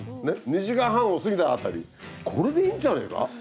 ２時間半を過ぎたあたりこれでいいんじゃねぇか？